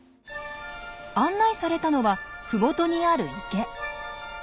案内されたのは麓にある池。